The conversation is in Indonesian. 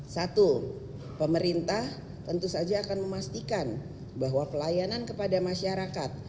satu pemerintah tentu saja akan memastikan bahwa pelayanan kepada masyarakat